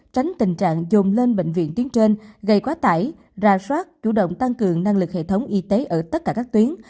tránh tình trạng dồn lên bệnh viện tuyến trên gây quá tải ra soát chủ động tăng cường năng lực hệ thống y tế ở tất cả các tuyến